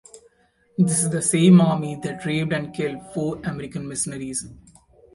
This is the same army that raped and killed four American missionaries.